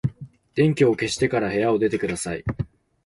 電気を消してから部屋を出てください。